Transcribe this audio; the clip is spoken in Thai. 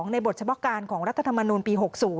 ในบทเฉพาะการของรัฐธรรมนูลปี๖๐